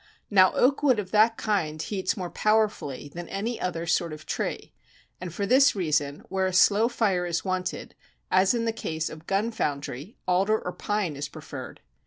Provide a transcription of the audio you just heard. Now oak wood of that kind heats more powerfully than any other sort of tree; and for this reason, where a slow fire is wanted, as in the case of gun foundry, alder or pine is preferred.